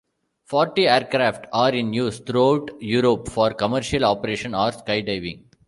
Forty aircraft are in use throughout Europe for commercial operation or skydiving.